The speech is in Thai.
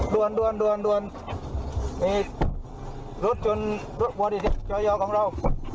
ด่วนมีรถชนรถวอร์๒๐เจ้าเยาะของเรา